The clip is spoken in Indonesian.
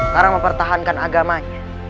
karena mempertahankan agamanya